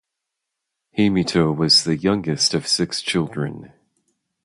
Heimito was the youngest of six children.